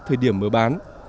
thời điểm mở bán